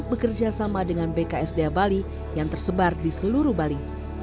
bekerja sama dengan bksda bali yang tersebar di seluruh bali